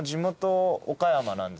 岡山なんだ。